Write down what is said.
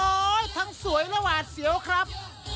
ทั้งสวยและหวาดเสียวครับ